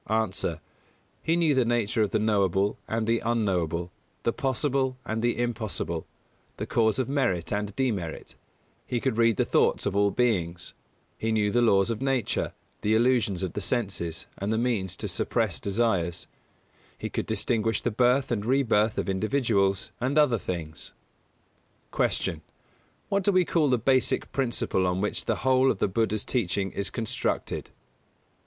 _ A. He knew the nature of the Knowable and the Unknowable, the Possible and the Impossible, the cause of Merit and Demerit; he could read the thoughts of all beings; he knew the laws of Nature, the illusions of the senses and the means to suppress desires; he could distinguish the birth and rebirth of individuals, and other things. 251. Q. _What do we call the basic principle on which the whole of the Buddha's teaching is constructed?